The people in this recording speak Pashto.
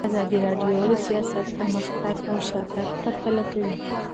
ازادي راډیو د سیاست پرمختګ او شاتګ پرتله کړی.